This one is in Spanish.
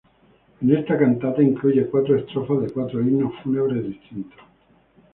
En esta cantata incluye cuatro estrofas de cuatro himnos fúnebres distintos.